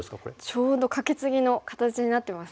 ちょうどカケツギの形になってますね。